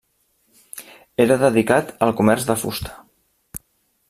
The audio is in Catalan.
Era dedicat al comerç de fusta.